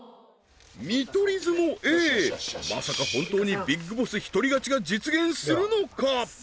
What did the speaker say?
見取り図もＡまさか本当にビッグボス一人勝ちが実現するのか？